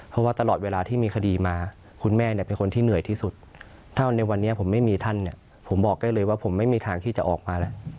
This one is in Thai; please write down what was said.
ผมบอกได้เลยว่าผมไม่มีทางที่จะออกมาแล้ว